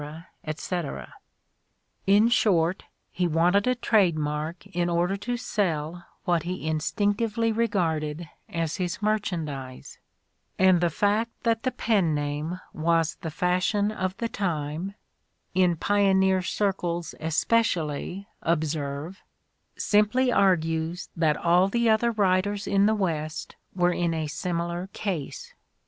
etc. In short, he wanted a trade mark in order to sell what he instinctively regarded as his merchandise ; and the fact that the pen name was the fashion of the time — in 86 The Ordeal of Mark Twain pioneer circles, especially, observe — simply argues that all the other writers in the West were in a similar case.